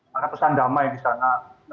karena pesan damai di sana